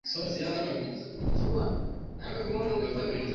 ini ni ogani muhimu sana ndani ya mwili